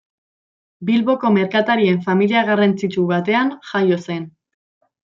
Bilboko merkatarien familia garrantzitsu batean jaio zen.